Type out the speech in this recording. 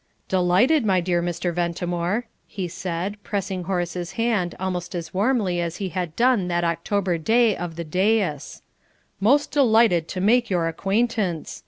"Delighted, my dear Mr. Ventimore," he said pressing Horace's hand almost as warmly as he had done that October day of the dais, "most delighted to make your acquaintance!